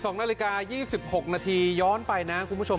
๒นาฬิกา๒๖นาทีย้อนไปนะคุณผู้ชม